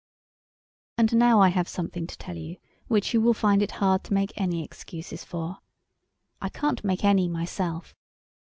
And now I have something to tell you which you will find it hard to make any excuses for. I can't make any myself.